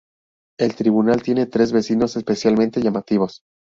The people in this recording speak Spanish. El tribunal tiene tres vecinos especialmente llamativos.